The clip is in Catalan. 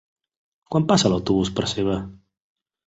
Quan passa l'autobús per Seva?